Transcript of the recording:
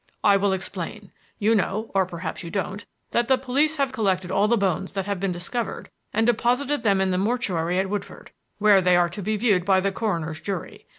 "I will explain. You know or perhaps you don't that the police have collected all the bones that have been discovered and deposited them in the mortuary at Woodford, where they are to be viewed by the coroner's jury.